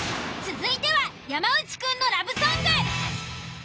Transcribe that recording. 続いては山内くんのラブソング。